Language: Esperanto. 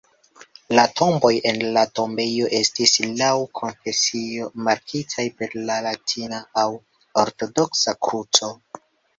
La tomboj en la tombejo estis laŭ konfesio markitaj per latina aŭ ortodoksa kruco.